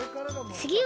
つぎは。